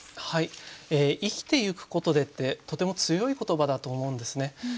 はい「生きていくことで」ってとても強い言葉だと思うんですね。